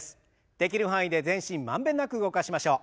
できる範囲で全身満遍なく動かしましょう。